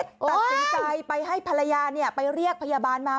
ตัดสินใจไปให้ภรรยาไปเรียกพยาบาลมา